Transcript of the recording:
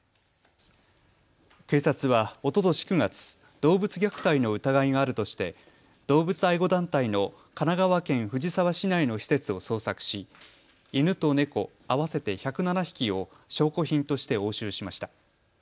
警察はおととし９月、動物虐待の疑いがあるとして動物愛護団体の神奈川県藤沢市内の施設を捜索し犬と猫合わせて１０７匹を証拠品として押収しました。